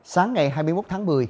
sáng ngày hai mươi một tháng một mươi